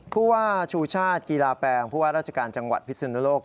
ผู้ว่าชูชาติกีฬาแปลงผู้ว่าราชการจังหวัดพิศนุโลก